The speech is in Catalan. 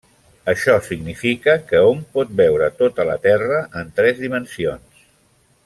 Això significa que hom pot veure tota la terra en tres dimensions.